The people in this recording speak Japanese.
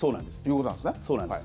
そうなんです。